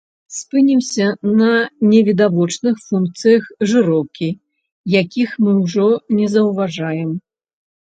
Спынімся на невідавочных функцыях жыроўкі, якіх мы ўжо не заўважаем.